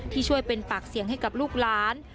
ที่ช่วยเป็นปากเสียงให้กับลูกหลาน